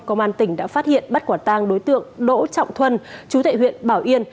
công an tỉnh đã phát hiện bắt quả tang đối tượng đỗ trọng thuân chú tại huyện bảo yên